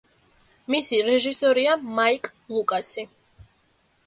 მისი რეჟისორია მაიკლ ლუკასი.